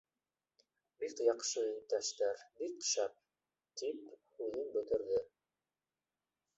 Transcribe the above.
Бик яҡшы, иптәштәр, бик шәп, — тип һүҙен бөтөрҙө.